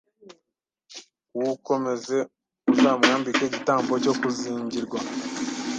uwukomeze Uzamwambike igitambaro cyo kuzingirwa